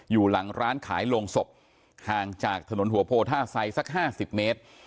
อยู่หลังร้านขายโรงศพห่างจากถนนหัวโพท่าไซสัก๕๐เมตร